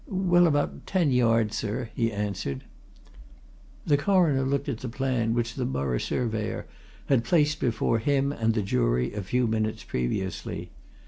"Well, about ten yards, sir," he answered. The Coroner looked at the plan which the Borough Surveyor had placed before him and the jury a few minutes previously.